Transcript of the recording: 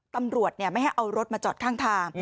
ทำรวจเนี่ยไม่ให้เอารถมจอดข้างทาง